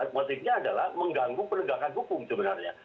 motifnya adalah mengganggu penegakan hukum sebenarnya